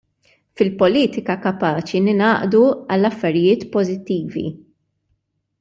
Fil-politika kapaċi ningħaqdu għal affarijiet pożittivi.